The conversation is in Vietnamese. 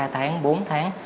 ba tháng bốn tháng